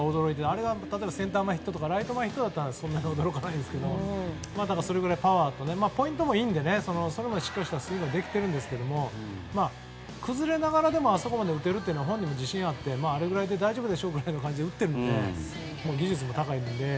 あれがセンター前ヒットとかライト前ヒットならそんなに驚きませんがそれくらいパワーがあってポイントもいいのでそれもしっかりしたスイングができているんですけど崩れながらでもあそこまで打てるのは本人も自信があってあれぐらいで大丈夫でしょうぐらいの感じで打っているので技術も高くて。